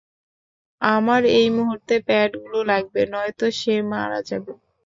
আমার এই মুহুর্তে প্যাডগুলো লাগবে, - নয়তো সে মারা যাবে।